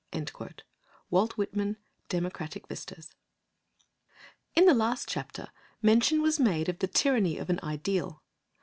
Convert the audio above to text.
—WALT WHITMAN, Democratic Vistas. In the last chapter mention was made of the tyranny of an ideal.